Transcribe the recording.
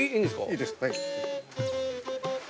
いいです。